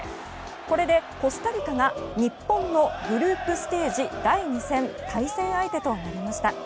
これでコスタリカが日本のグループステージ第２戦対戦相手となりました。